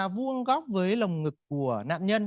vuông góc với lồng ngực của nạn nhân